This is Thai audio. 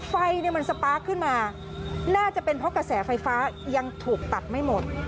ไฟเนี่ยมันสปาร์คขึ้นมาน่าจะเป็นเพราะกระแสไฟฟ้ายังถูกตัดไม่หมด